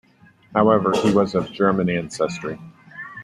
However, he was of German ancestry.